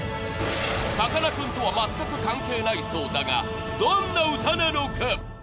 さかなクンとは全く関係ないそうだがどんな歌なのか？